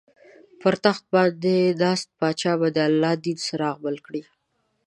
پر تخت باندې ناست پاچا به د الله دین څراغ بل کړي.